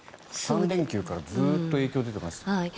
３連休からずっと影響が出ています。